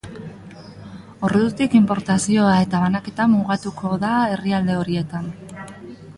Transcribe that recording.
Ordutik, inportazioa eta banaketa mugatu da herrialde horietan.